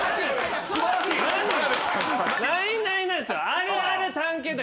あるある探検隊！